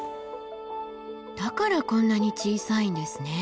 だからこんなに小さいんですね。